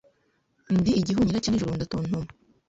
Ndi igihunyira cya nijoro, ndatontoma